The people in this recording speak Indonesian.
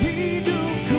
kita tak mungkin terus